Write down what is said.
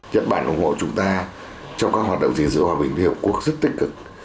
nhật bản ủng hộ chúng ta trong các hoạt động gìn giữa hòa bình với hiệu quốc rất tích cực